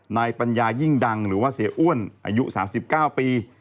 ปัญญายิ่งดังหรือว่าเสียอ้วนอายุ๓๙ปี